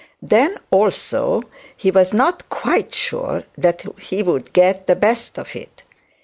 Then, also he was not quite sure that he would get the best of it.